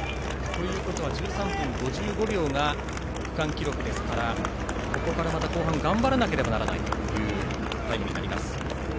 １３分５５秒が区間記録ですからここから後半、頑張らなければならないというタイムです。